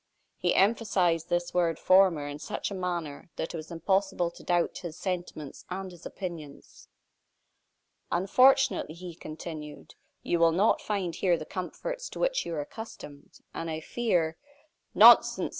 He emphasized this word "former" in such a manner that it was impossible to doubt his sentiments and his opinions. "Unfortunately," he continued, "you will not find here the comforts to which you are accustomed, and I fear " "Nonsense!"